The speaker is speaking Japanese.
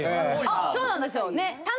あそうなんですよ。